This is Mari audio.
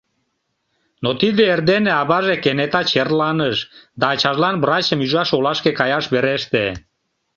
Но тиде эрдене аваже кенета черланыш, да ачажлан врачым ӱжаш олашке каяш вереште.